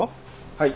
はい。